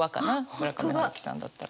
村上春樹さんだったら。